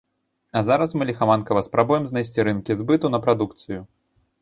А зараз мы ліхаманкава спрабуем знайсці рынкі збыту на прадукцыю.